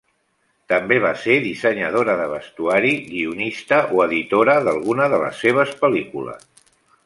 També va ser dissenyadora de vestuari, guionista o editora d'alguna de les seves pel·lícules.